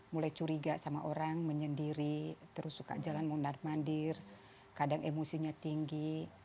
mulai curiga sama orang menyendiri terus suka jalan mondar mandir kadang emosinya tinggi